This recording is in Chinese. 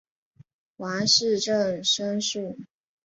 王士禛甥婿。